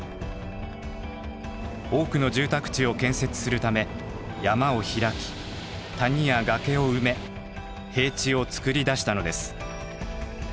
多くの住宅地を建設するため山を開き谷や崖を埋め平地をつくり出したのです。